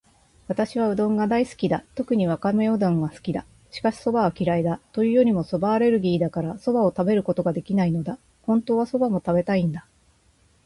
私はうどんが大好きだ。特にわかめうどんが好きだ。しかし、蕎麦は嫌いだ。というよりも蕎麦アレルギーだから、蕎麦を食べることができないのだ。本当は蕎麦も食べたいんだ。